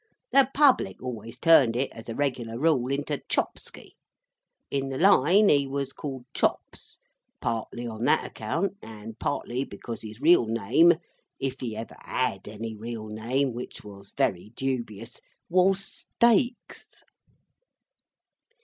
The public always turned it, as a regular rule, into Chopski. In the line he was called Chops; partly on that account, and partly because his real name, if he ever had any real name (which was very dubious), was Stakes.